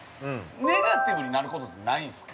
ネガティブになることってないんすか。